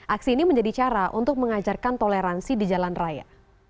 aksi ini menjadi cara untuk mengajarkan toleransi di jalan raya